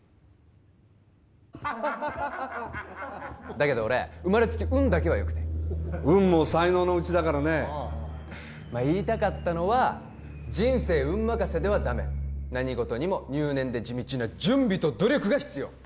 だけど俺生まれつき運だけはよくて運も才能のうちだからね言いたかったのは人生運任せではダメ何事にも入念で地道な準備と努力が必要